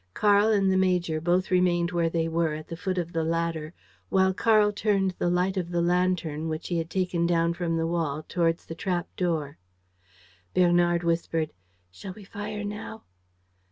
Karl and the major both remained where they were, at the foot of the ladder, while Karl turned the light of the lantern, which he had taken down from the wall, towards the trap door. Bernard whispered: "Shall we fire now?"